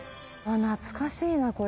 懐かしいな、これ。